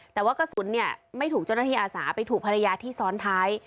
แต่ว่ากระสุนเนี่ยไม่ถูกเจ้าหน้าที่อาสาไปถูกภรรยาที่ซ้อนท้าย